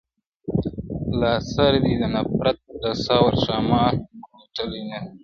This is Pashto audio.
لا سر دي د نفرت د تور ښامار کوټلی نه دی.